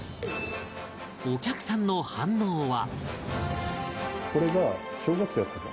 お客さんの反応は